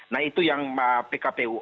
nah itu yang pkpu